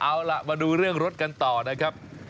เอาล่ะมาดูเรื่องรถกันต่อนะครับ